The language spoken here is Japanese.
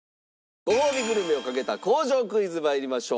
ごほうびグルメをかけた工場クイズ参りましょう。